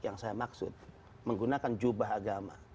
yang saya maksud menggunakan jubah agama